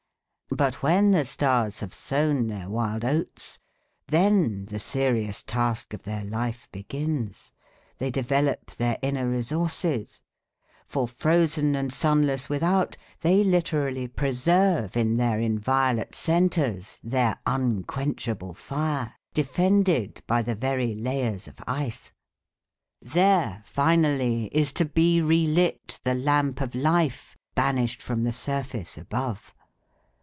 But when the stars have sown their wild oats, then the serious task of their life begins, they develop their inner resources. For frozen and sunless without, they literally preserve in their inviolate centres their unquenchable fire, defended by the very layers of ice. There, finally, is to be relit the lamp of life, banished from the surface above.